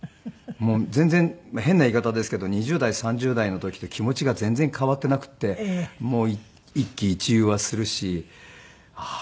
もう全然変な言い方ですけど２０代３０代の時と気持ちが全然変わっていなくて一喜一憂はするしああ